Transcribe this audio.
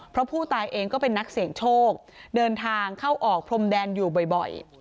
เพราะผู้ตายเองก็เป็นนักเสี่ยงโชคเดินทางเข้าออกพรมแดนอยู่บ่อย